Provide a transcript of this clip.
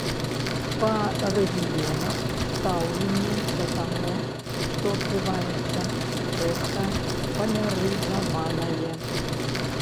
Па рэгіёнах стаўленне да таго, што адбываецца, рэзка палярызаванае.